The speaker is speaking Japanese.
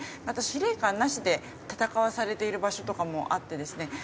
また司令官なしで戦わされている場所とかもあってですね